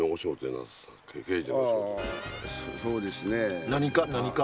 そうですね。何課？